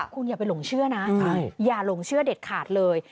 คุณอย่าไปหลงเชื่อนะอย่าหลงเชื่อเด็ดขาดเลย